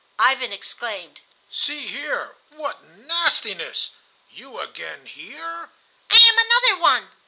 Ivan exclaimed: "See here! What nastiness! You again here?" "I am another one!"